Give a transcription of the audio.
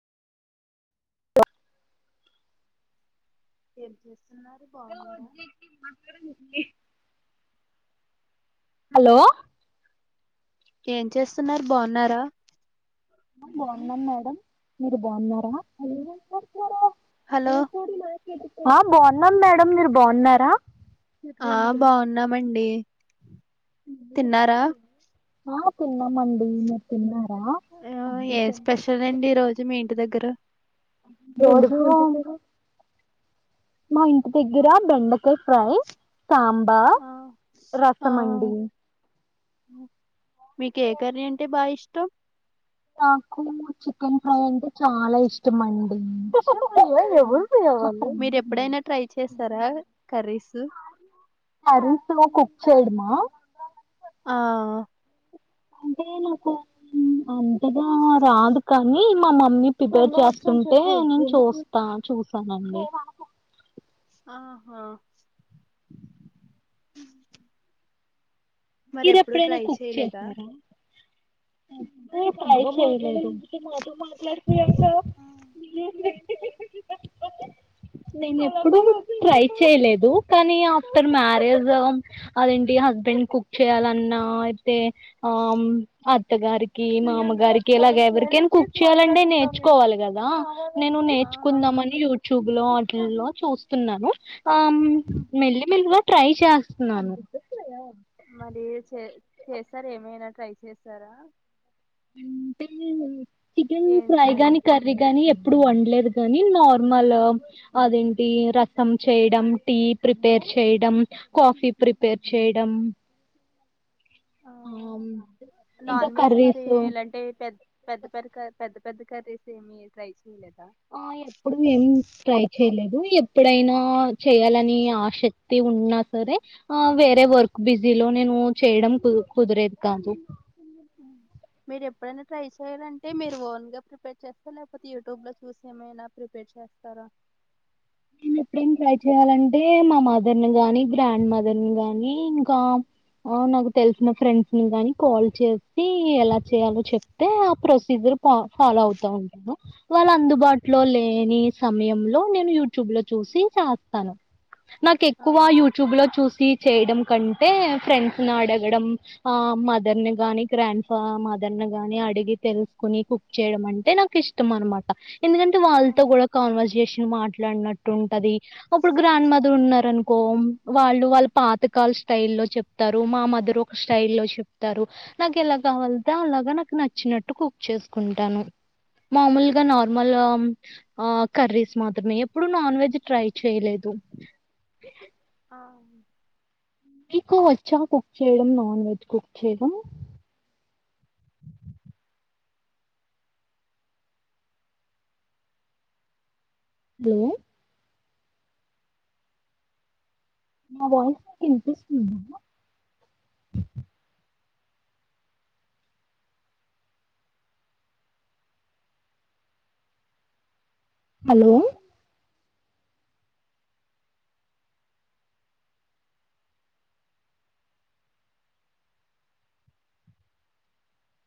ఏం చేస్తు చిలుకలు కొట్టి అక్కడ నేనే హలో ఏం చేస్తున్నారు బాగున్నారా బాగున్నా మేడం మీరు బాగున్నారా అ [inaudible] తన్నారా హలో మీతోటి మా ఆ బాగున్నాం మేడం మీరు బాగున్నారా, ఆ బాగున్నామండి ఏం తిన్నారా చేస్తానావు అహ తిన్నామండి మీరు తిన్నారా ఏ స్పెషల్ అండి ఈ రోజు మీ ఇంటి దగ్గర మా ఇంటి దగ్గర బెండకాయ ఫ్రై సాంబార్ ఆ రసమండి ఊ మీకు ఏ కర్రీ అంటే బాగా ఇష్ త నాకు చికెన్ ఫ్రై అంటే చాలా ఇ ఇష్టమండి ఆ, మీరు [inaudible] స్ హరిస కుక్చైడుమా ఆ అంటే నాకు అంతగా రాదు కానీ, మా మమ్మీ ప్రిపేర్ చేస్తుంటే నేను చూస్తా చూసానండి ఆహా మరి మీర ఎప్పుడు ఎప్పుడైనా ట్రై కుక్ చేయలేదా చేసారా [inaudible] నే ఇప్పుడు ట్రై చేయలేదు కానీ ఆఫ్టర్ మ్యారేజ్ అదేంటి హస్బెండ్ కు కుక్ చేయ్యాలన్నా, అయితే ఆ అత్తగారికి మామగారికి ఇలాగ ఎవరికైనా, కుక్ చేయాలంటే నేర్చుకోవాలి కదా నేను ఆ నేర్చుకుందామని యూట్యూబ్ వాలో చూస్తున్నాను ఆ ఉమ్, మెల్లి మెల్లిగా ట్రై చేస్తున్నాను మరి చే చేస్తార ఏమైనా ట్రై చేస్తారా ఇ చికెన్ ఏం ఫ్రై చేస గానీ కర్రీ గానీ ఇప్పుడు వండలేదు గాని నా ర్మల్ అదేం రసం చేయడం టీ ప్రిపేర్ చేయడం కాఫీ ప్రిపేర్ చేయడం ఆ ఇంకా నాన్ వెజ్ మరి కర్రీస్ ఇలాంటి పెద్ద పెద్ద పెద్ద పెద్ద పెద్ద కర్రీస్ ఏమి ట్రై చేయలే ఆ ఎప్పుడు ఏం ట్రై చేయలేదు ఎప్పుడైనా చేయాలని ఆసక్తి ఉన్నా సరే, ఆ వేరే వర్క్ బిజీలో నేను చేయడం కు కుదరేది కాదు మీరు ఎప్పుడైనా ట్రై చేయాలంటే మీరు ఓన్గా ప్రిపేర్ చేస్తారు లేకపోతే, యూట్యూబ్ లో చూసి ఏమైనా ప్రిపేర్ చేస్తారా నేను ఎప్పుడేం ట్రై చేయాలంటే, మా మదర్ని గాని, గ్రాండ్ మదర్ని గాని, ఇంకా నాకు తెలిసిన ఫ్రెండ్స్ని గాని కాల్ చేసి ఎలా చేయాలో చెప్తే ఆ ప్రొసీజర్ ఫాలో అవుతా ఉంటాను వాళ్ళ అందుబాటులో లేని సమయంలో నేను యు చుభలో చూసి రాతాను నాకు ఆ ఎక్కువ యూట్యూబ్ లో చూసి చేయడం కంటే, ఫ్రెండ్స్ ని అడగడం, ఆ మదర్ ని గాని గ్రాండ్ ఫ మదర్ ని గాని, అడిగి తెలుసుకుని కుక్ చేయడం అంటే నాకు ఇష్టం అనమాట. ఎందుకంటే ఆ వాళ్ళతో కూడా కాన్వర్ జేష మా ఇట్లా అన్నట్టు ఉంటది, అప్పుడు గ్రాండ్ మదర్ ఉన్నారు అనుకో, వాళ్ళు వాళ్ళ పాతకాల స్టైల్ లో చెప్తారు, మా మదర్ ఒక స్టై లో చెప్తారు, నాకు ఎలా కావాల అలాగా నాకు నచ్చినట్టు కుక్ చేసుకుంటాను, మామూలుగా నార్మల్ కర్రీస్ మాత్రమే ఏప్పుడు నాన్ వెజ్ ట్రై చేయలేదు ఆ మీకు వచ్చా కుక్ చేయడం నాన్ వెజ్ కుక్ చేయడం హలో నా వాయిస్ వినిపిస్తుందా హలో